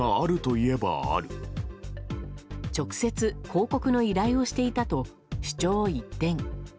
直接広告の依頼をしていたと主張を一転。